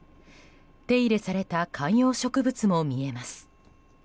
手入れされた観葉植物も見えます。